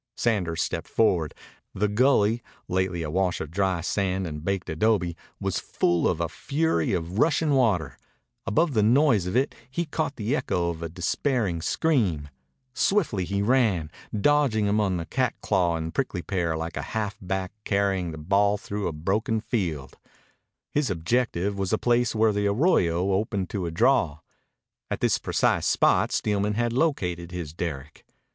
Sanders stepped forward. The gully, lately a wash of dry sand and baked adobe, was full of a fury of rushing water. Above the noise of it he caught the echo of a despairing scream. Swiftly he ran, dodging among the catclaw and the prickly pear like a half back carrying the ball through a broken field. His objective was the place where the arroyo opened to a draw. At this precise spot Steelman had located his derrick.